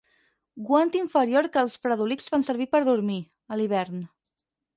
Guant inferior que els fredolics fan servir per dormir, a l'hivern.